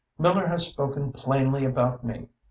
Miller has spoken plainly about me.